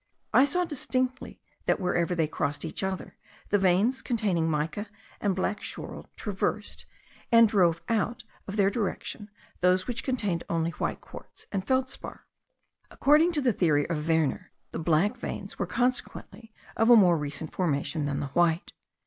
I saw distinctly that, wherever they crossed each other, the veins containing mica and black schorl traversed and drove out of their direction those which contained only white quartz and feldspar. According to the theory of Werner, the black veins were consequently of a more recent formation than the white.